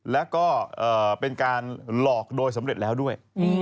แล้วก็เป็นการหลอกโดยสำเร็จแล้วด้วย